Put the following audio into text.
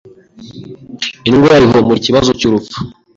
Indwara ihumura Ikibazo cyurupfu